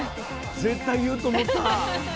絶対言うと思った。